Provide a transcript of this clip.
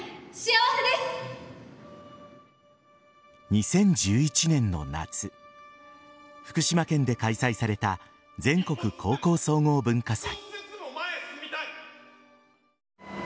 ２０１１年の夏福島県で開催された全国高校総合文化祭。